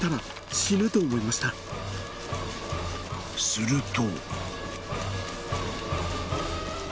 ［すると］